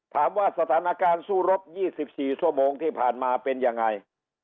ถามว่าสถานการณ์สู้รบ๒๔ชั่วโมงที่ผ่านมาเป็นยังไง